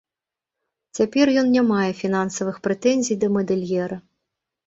Цяпер ён не мае фінансавых прэтэнзій да мадэльера.